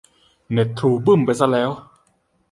เน็ตทรูบึ้มไปซะแล้ว